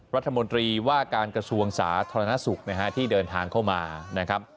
รัฐมนตรีว่าการกระทรวงสาธารณสุขนะฮะที่เดินทางเข้ามานะครับ